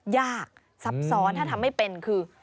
ยากซับซ้อนถ้าทำไม่เป็นคือ